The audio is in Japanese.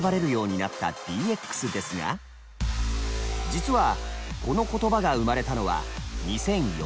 実はこの言葉が生まれたのは２００４年。